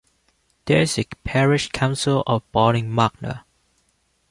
There is a Parish Council of Barling Magna.